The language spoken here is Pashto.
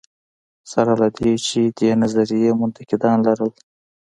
سره له دې چې دې نظریې منتقدان لرل.